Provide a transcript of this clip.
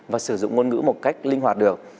và sử dụng ngôn ngữ một cách linh hoạt được